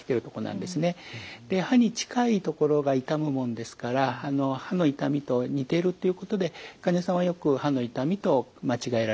で歯に近い所が痛むもんですから歯の痛みと似ているということで患者さんはよく歯の痛みと間違えられます。